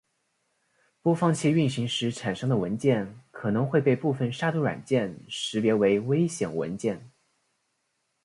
播放器运行时产生的文件可能会被部分杀毒软件识别为危险文件。